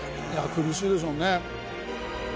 苦しいでしょうね。